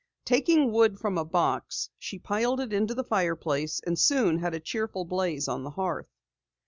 Taking wood from a box, she piled it into the fireplace, and soon had a cheerful blaze on the hearth.